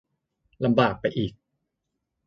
ลำบากไปอีก